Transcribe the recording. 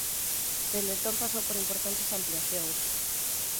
Dende entón pasou por importantes ampliacións.